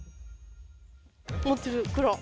持ってる、黒。